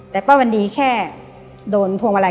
แต่ป้าวันดีแค่โดนพวงมาลัย